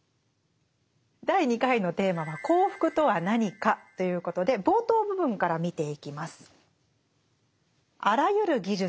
第２回のテーマは「幸福とは何か」ということで冒頭部分から見ていきます。